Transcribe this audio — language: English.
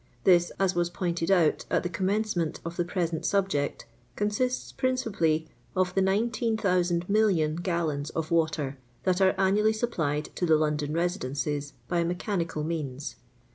This, as was pointed out at the commencement of the present subject, consists principally of the 19,000,000.000 gallons of water that are annually pupplied to the London residences by mechanical means.